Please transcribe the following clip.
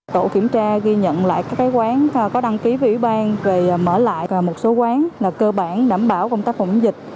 tổ kiểm tra ghi nhận lại các quán có đăng ký với ủy ban về mở lại một số quán là cơ bản đảm bảo công tác phòng dịch